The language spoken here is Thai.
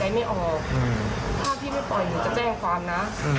เหตุการณ์ที่เรารู้สึกไงบ้างตอนนี้